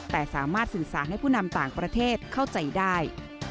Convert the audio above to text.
แต่สามารถสื่อสารให้ผู้นำต่างประเทศเข้าใจได้